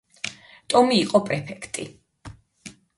ტომი იყო პრეფექტი.